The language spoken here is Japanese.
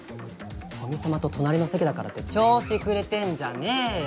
古見様と隣の席だからって調子くれてんじゃねーよ。